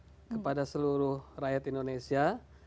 dan akses listrik kepada seluruh rakyat indonesia